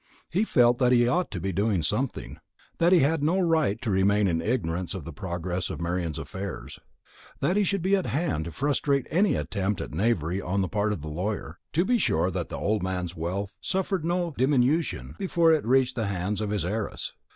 He felt that he ought to be doing something that he had no right to remain in ignorance of the progress of Marian's affairs that he should be at hand to frustrate any attempt at knavery on the part of the lawyer to be sure that the old man's wealth suffered no diminution before it reached the hands of his heiress.